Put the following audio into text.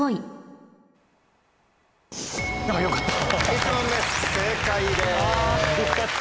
よかった。